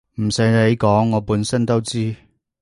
唔洗你講我本身都知